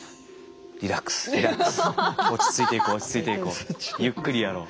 リラックスリラックス落ち着いていこう落ち着いていこうゆっくりやろう。